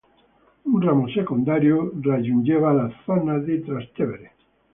Un ramo secondario raggiungeva la zona di Trastevere.